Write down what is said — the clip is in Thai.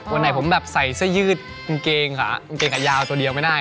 วันไหนผมแบบใส่เสื้อยืดมันเก่งค่ะมันเก่งกระยาวตัวเดียวไม่ได้